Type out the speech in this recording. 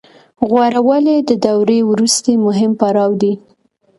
غوره والی د دورې وروستی مهم پړاو دی